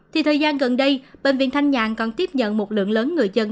thì thời gian gần đây bệnh viện thanh nhàn còn tiếp nhận một lượng lớn người dân